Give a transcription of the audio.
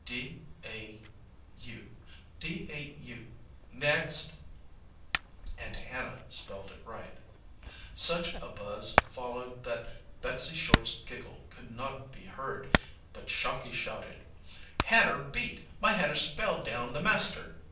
"D a u, dau " "Next." And Hannah spelled it right. Such a buzz followed that Betsey Short's giggle could not be heard, but Shocky shouted: "Hanner beat! my Hanner spelled down the master!"